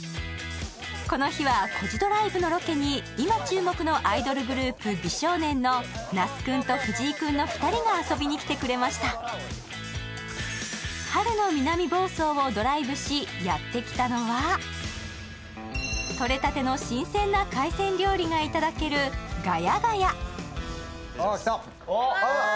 この日はコジドライブのロケに今注目のアイドルグループ美少年の那須君と藤井君の２人が遊びに来てくれましたしやってきたのは取れたての新鮮な海鮮料理がいただけるああきたおっ！